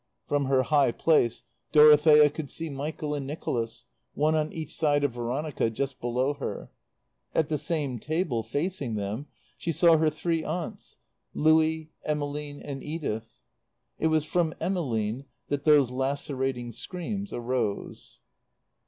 From her high place Dorothea could see Michael and Nicholas, one on each side of Veronica, just below her. At the same table, facing them, she saw her three aunts, Louie, Emmeline and Edith. It was from Emmeline that those lacerating screams arose.